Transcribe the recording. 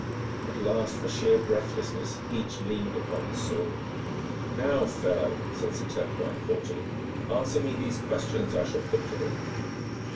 At last, for sheer breathlessness, each leaned upon his sword. 'Now, fellow,' said Sir Turquine haughtily, 'answer me these questions I shall put to thee.'